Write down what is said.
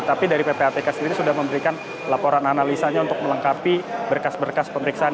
tapi dari ppatk sendiri sudah memberikan laporan analisanya untuk melengkapi berkas berkas pemeriksaan